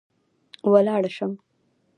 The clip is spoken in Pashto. ولاړه شم